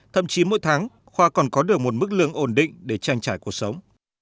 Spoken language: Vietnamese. thậm chí mỗi tháng khoa còn có được một mức lương ổn định để tranh trải cuộc sống